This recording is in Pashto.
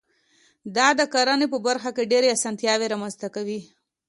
دا د کرنې په برخه کې ډېرې اسانتیاوي رامنځته کوي.